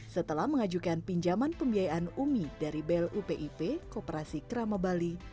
setelah mengajukan pinjaman pembiayaan umi dari blu pip kooperasi keramobali